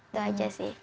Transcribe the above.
itu aja sih